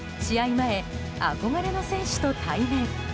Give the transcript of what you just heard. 前、憧れの選手と対面。